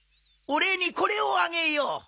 お礼にこれをあげよう。